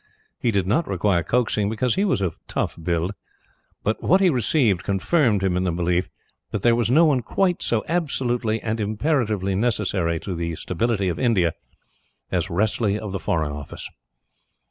He did not require coaxing, because he was of tough build, but what he received confirmed him in the belief that there was no one quite so absolutely and imperatively necessary to the stability of India as Wressley of the Foreign Office.